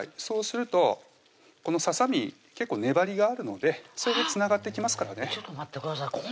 そうするとこのささみ結構粘りがあるのでそれでつながっていきますからねちょっと待ってください